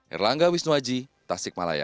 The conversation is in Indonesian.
erlangga wisnuaji tasik malaya